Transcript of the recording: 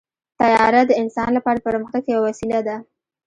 طیاره د انسان لپاره د پرمختګ یوه وسیله ده.